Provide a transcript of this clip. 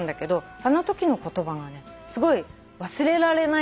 あのときの言葉がねすごい忘れられないんだよね。